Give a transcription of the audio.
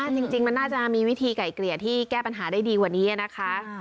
จริงมันน่าจะมีวิธีไก่เกลี่ยที่แก้ปัญหาได้ดีกว่านี้นะคะ